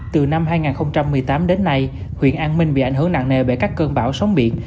từ năm hai nghìn một mươi tám đến nay huyện an minh bị ảnh hưởng nặng nề bởi các cơn bão sóng biển